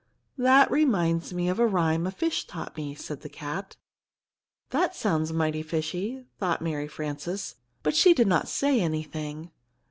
"That reminds me of a rhyme a fish taught me," said the cat. "That sounds mighty fishy," thought Mary Frances, but she did not say anything.